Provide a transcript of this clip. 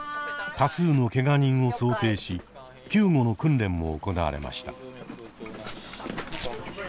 多数のけが人を想定し救護の訓練も行われました。